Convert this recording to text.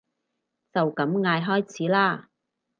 就咁嗌開始啦